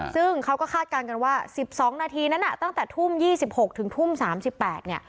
ซึ่งเขาก็คาดกันว่า๑๒นตั้งแต่ทุ่ม๒๖ถึงทุ่ม๓๘น